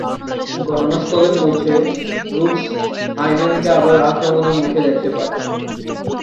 ঘটনাস্থলে পৌঁছে, "রুকস" "হাইম্যানকে" আবার আক্রমণের মুখে দেখতে পায়।